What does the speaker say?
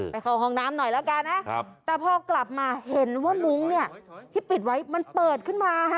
เข้าห้องน้ำหน่อยแล้วกันนะแต่พอกลับมาเห็นว่ามุ้งเนี่ยที่ปิดไว้มันเปิดขึ้นมาค่ะ